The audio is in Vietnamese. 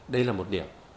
đây là một điểm